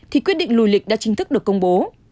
thì quyết định lùi lịch đã chính thức được công bố